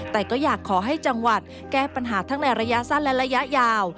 แต่ก็อยากขอให้จังหวัดแก้ปัญหาทั้งในระยะสั้นและระยะยาว